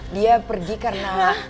dia pergi karena